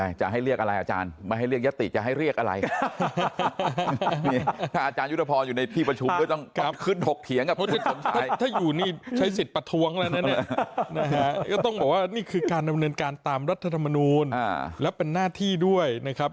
นึกว่ามันจะยอมเนินการตามรัฐธรรมนูนแล้วเป็นหน้าที่ด้วยนะครับ